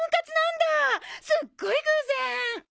すっごい偶然！